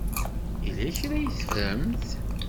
Yella kra ay teffremt?